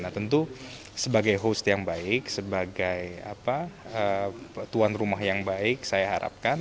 nah tentu sebagai host yang baik sebagai tuan rumah yang baik saya harapkan